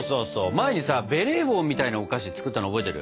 前にさベレー帽みたいなお菓子作ったの覚えてる？